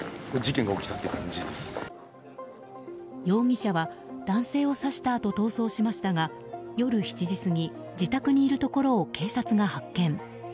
容疑者は男性を刺したあと逃走しましたが夜７時過ぎ自宅にいるところを警察が発見。